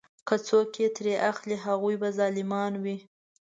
که څوک یې ترې اخلي هغوی به ظالمان وي.